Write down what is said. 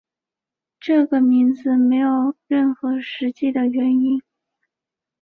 这个名字没有任何实际的原因。